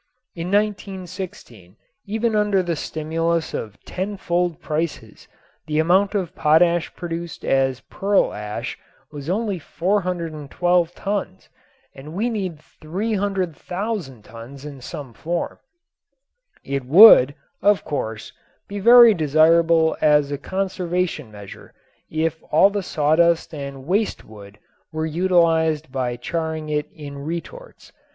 In 1916 even under the stimulus of tenfold prices the amount of potash produced as pearl ash was only 412 tons and we need 300,000 tons in some form. It would, of course, be very desirable as a conservation measure if all the sawdust and waste wood were utilized by charring it in retorts.